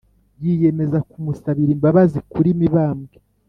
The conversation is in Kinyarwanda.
yiyemeza kumusabira imbabazi kuri mibambwe.